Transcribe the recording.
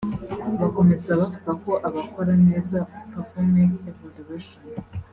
Bakomeza bavuga ko abakora neza (Performance Evaluation